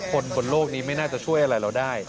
คนบนโลกนี้ไม่น่าจะช่วยอะไรเราได้